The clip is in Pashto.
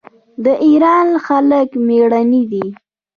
د ایران خلک میړني دي.